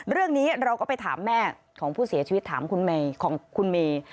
เรื่องนี้เราก็ไปถามแม่ของผู้เสียชีวิตถามคุณเมย์